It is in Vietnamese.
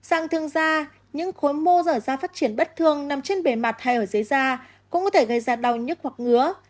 sang thương da những khối mô dở da phát triển bất thường nằm trên bề mặt hay ở dưới da cũng có thể gây ra đau nhức hoặc ngứa